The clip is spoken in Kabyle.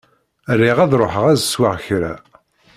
Riɣ ad ṛuḥeɣ ad sweɣ kra.